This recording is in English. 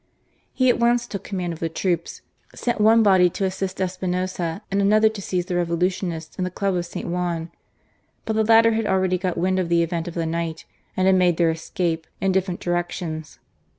He at once took command of the troops ; sent one body to assist Espinoza, and another to seize the Revolutionists in the Club of St. Juan. But the latter had already got wind of the event of the night, and had made their escape in different directions.